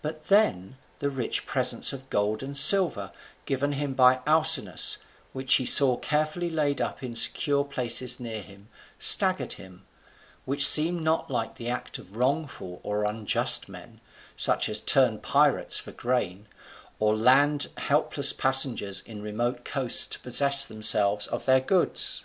But then the rich presents of gold and silver given him by Alcinous, which he saw carefully laid up in secure places near him, staggered him: which seemed not like the act of wrongful or unjust men, such as turn pirates for gain, or land helpless passengers in remote coasts to possess themselves of their goods.